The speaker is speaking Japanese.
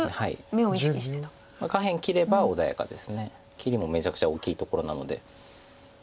切りもめちゃくちゃ大きいところなので。